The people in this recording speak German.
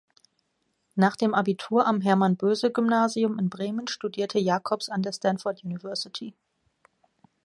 Nach dem Abitur am Hermann-Böse-Gymnasium in Bremen studierte Jacobs an der Stanford University.